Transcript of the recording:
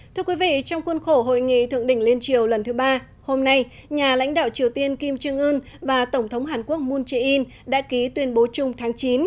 thưa quý vị trong khuôn khổ hội nghị thượng đỉnh liên triều lần thứ ba hôm nay nhà lãnh đạo triều tiên kim trương ưn và tổng thống hàn quốc moon jae in đã ký tuyên bố chung tháng chín